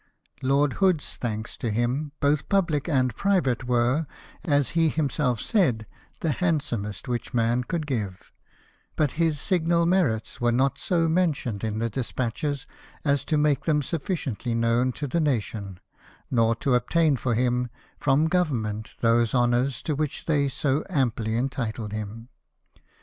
Lord Hood's thanks to him, both public and private, were, as he himself said, the handsomest which man could give ; but his signal merits were not so men tioned in the despatches as to make them sufficiently known to the nation, nor to obtain for him from Government those honours to which they so amply entitled him.